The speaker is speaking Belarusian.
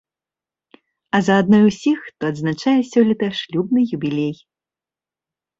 А заадно і ўсіх, хто адзначае сёлета шлюбны юбілей.